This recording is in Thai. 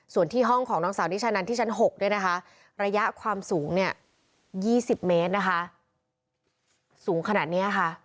ส่วนที่ห้องของนางสาวนิชานันที่ชั้น๖เนี่ยนะคะระยะความสูงเนี่ย๒๐เมตรนะคะสูงขนาดนี้ค่ะ